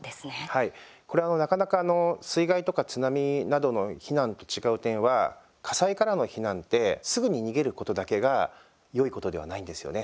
はい、これはなかなか水害とか津波などの避難と違う点は、火災からの避難ってすぐに逃げることだけがよいことではないんですよね。